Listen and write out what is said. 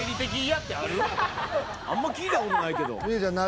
あんま聞いたことないけど望結ちゃん